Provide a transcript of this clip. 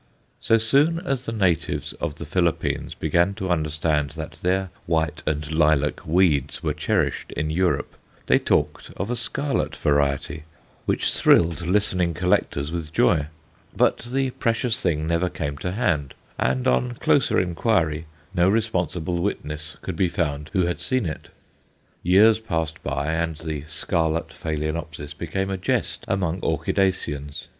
So soon as the natives of the Philippines began to understand that their white and lilac weeds were cherished in Europe, they talked of a scarlet variety, which thrilled listening collectors with joy; but the precious thing never came to hand, and, on closer inquiry, no responsible witness could be found who had seen it. Years passed by and the scarlet Phaloenopsis became a jest among orchidaceans.